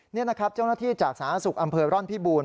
นี่นะครับเจ้าหน้าที่จากสาธารณสุขอำเภอร่อนพิบูรณ